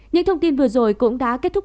những thông tin vừa rồi cũng đã kết thúc